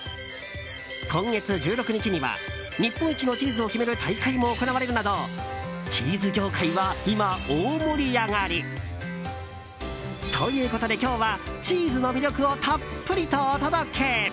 今月１６日には日本一のチーズを決める大会も行われるなどチーズ業界は今、大盛り上がり。ということで、今日はチーズの魅力をたっぷりとお届け。